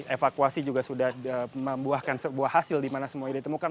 evakuasi juga sudah membuahkan sebuah hasil di mana semuanya ditemukan